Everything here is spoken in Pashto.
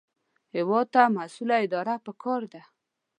هېواد ته مسؤله اداره پکار ده